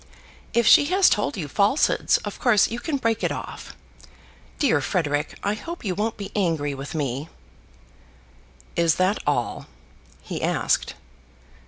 If she has told you falsehoods, of course you can break it off. Dear Frederic, I hope you won't be angry with me." "Is that all?" he asked.